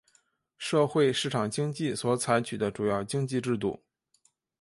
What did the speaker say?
社会市场经济所采取的主要经济制度。